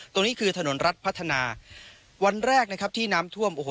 ตรงนี้คือถนนรัฐพัฒนาวันแรกนะครับที่น้ำท่วมโอ้โห